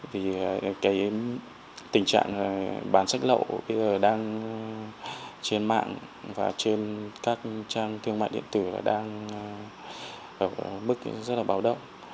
vì cái tình trạng bán sách lậu bây giờ đang trên mạng và trên các trang thương mại điện tử đang ở mức rất là báo động